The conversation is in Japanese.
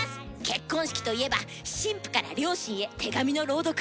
結婚式といえば新婦から両親へ手紙の朗読。